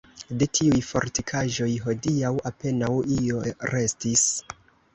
De tiuj fortikaĵoj hodiaŭ apenaŭ io restis.